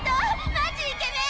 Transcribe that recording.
マジイケメン！